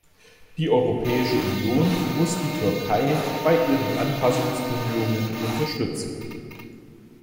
Die Europäische Union muss die Türkei bei ihren Anpassungsbemühungen unterstützen.